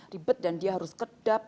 ribet dan dia harus kedap